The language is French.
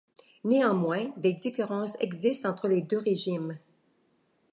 Néanmoins, des différences existent entre les deux régimes.